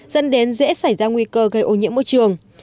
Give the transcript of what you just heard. dẫn đến dễ xảy ra nguy cơ gây ô nhiễm môi trường